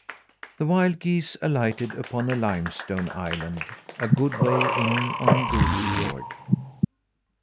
The wild geese alighted upon a limestone island a good way in on Goose fiord.